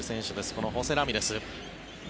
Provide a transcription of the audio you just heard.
このホセ・ラミレス。